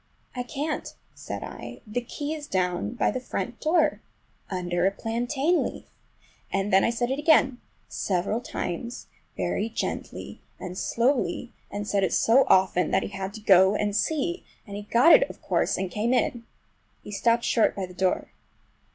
"I can't," said I. "The key is down by the front door under a plantain leaf!" And then I said it again, several times, very gently and slowly, and said it so often that he had to go and see, and he got it, of course, and came in. He stopped short by the door.